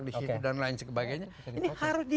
di situ dan lain sebagainya ini harus